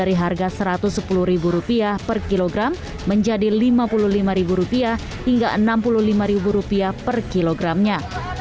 satu ratus sepuluh ribu rupiah per kilogram menjadi lima puluh lima ribu rupiah hingga enam puluh lima ribu rupiah per kilogramnya